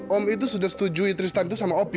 om itu sudah setuju tristan itu sama opi